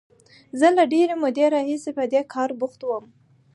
زه له ډېرې مودې راهیسې په دې کار بوخت وم.